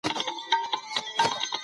مولي وایي چي څېړنه عیني او سیستماتیکه ده.